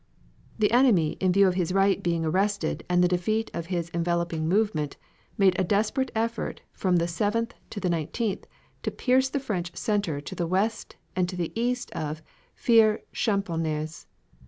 The enemy, in view of his right being arrested and the defeat of his enveloping movement, made a desperate effort from the 7th to the 19th to pierce the French center to the west and to the east of Fere Champenoise.